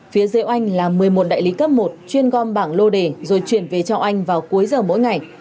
phía dưới oanh là một mươi một đại lý cấp một chuyên gom bảng lô đề rồi chuyển về cho anh vào cuối giờ mỗi ngày